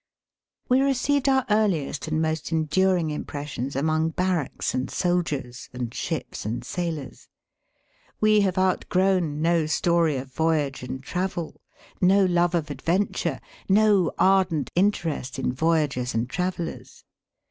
We received our earliest and most enduring impressions among barracks and soldiers, and ships and sailors. We have outgrown no story of voyage and travel, no love of ad venture, no ardent interest in voyagers and travellers.